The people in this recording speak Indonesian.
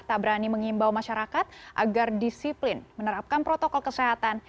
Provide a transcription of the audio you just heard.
tak berani mengimbau masyarakat agar disiplin menerapkan protokol kesehatan